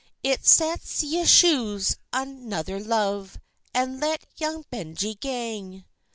It sets ye chuse another love, And let young Benjie gang."